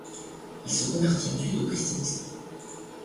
Il se convertit ensuite au Christianisme.